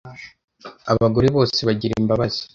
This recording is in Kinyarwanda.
Abagore bose bagira imbabazi,